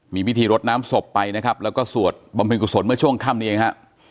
มีพิธีรดน้ำศพไปนะครับแล้วก็สวดบำเพ็กกุศลเมื่อช่วงค่ำนี้เองฮะ